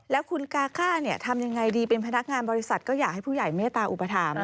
แล้วคุณกาก้าทำยังไงดีเป็นพนักงานบริษัทก็อยากให้ผู้ใหญ่เมตตาอุปถัมภ